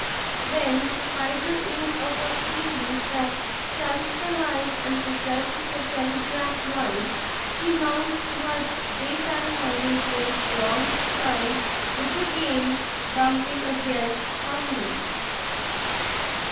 When the Spider is of a species that shuns the light and possesses a telegraph line, she mounts to her daytime hiding place along this line, with the game bumping against her heels.